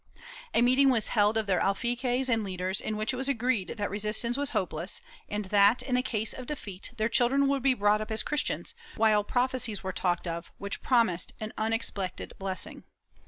A meeting was held of their alfaquies and leaders, in which it was agreed that resistance was hopeless and that, in case of defeat, their children would be brought up as Christians, while prophecies were talked of which promised an unexpected blessing.